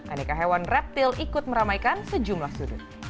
aneka hewan reptil ikut meramaikan sejumlah sudut